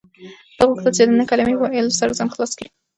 ده غوښتل چې د نه کلمې په ویلو سره ځان خلاص کړي.